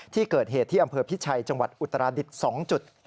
ที่เกิดเหตุที่อำเภอพิชัยจังหวัดอุตราดิษฐ์๒จุด